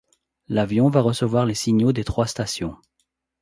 L'avion va recevoir les signaux des trois stations.